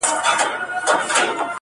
لپی لپی یې لا ورکړل غیرانونه؛